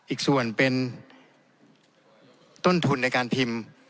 อีกส่วนเป็นต้นทุนในการพิมพ์